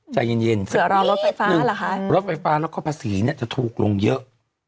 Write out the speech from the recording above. ใจเย็นซักนึด๑รถไฟฟ้าแล้วก็ภาษีจะถูกลงเยอะ